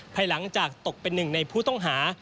ภายหลังจากตกเป็นหนึ่งในผู้ต้องหา